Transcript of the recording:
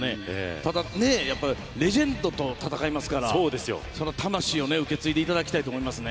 ただ、レジェンドと戦いますからその魂を受け継いでいただきたいと思いますね。